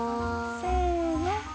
せの。